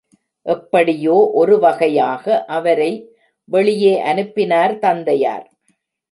எப்படியோ ஒரு வகையாக அவரை வெளியே அனுப்பினார் தந்தையார்.